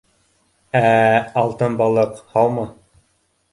— Ә-ә, алтын балыҡ, һаумы